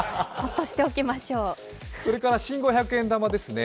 それから新五百円玉です。